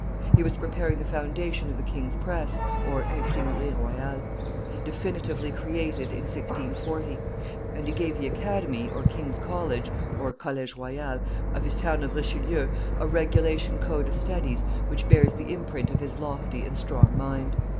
He was preparing the foundation of the King's Press (Imprimerie royale), definitively created in 1640; and he gave the Academy or King's College (college royal) of his town of Richelieu a regulation code of studies which bears the imprint of his lofty and strong mind.